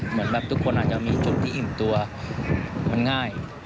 เหมือนแบบทุกคนอาจจะมีจุดที่อิ่มตัวมันง่าย